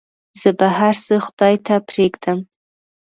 زه به هرڅه خداى ته پرېږدم.